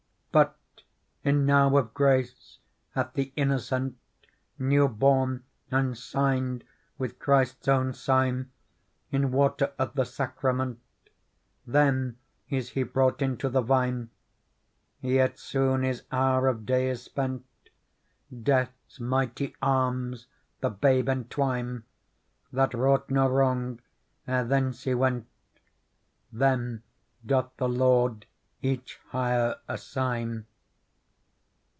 ''But enow of grace, hath thelnnoeenty NewUorn and signed with Christ's own sign . In water ^f the sacrament ; Then is he brought into the Vine. Yet soon his hour of day is spent, De^h's mighty arms the babe entwine That wrought no wrong ere thence he went ; Then doth the Lord each hire assign.